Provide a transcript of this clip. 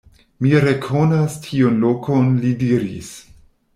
Mi rekonas tiun lokon, li diris.